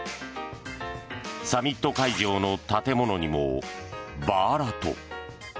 サミット会場の建物にもバーラト。